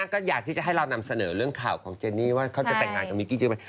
ทุกคนเนี่ยนะก็อยากให้เรานำเสนอเรื่องข่าวของเจนี่ว่าเขาจะแต่งงานกับมิกกี้เจมส์